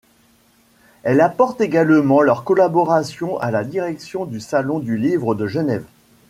Elles apportent également leur collaboration à la direction du Salon du livre de Genève.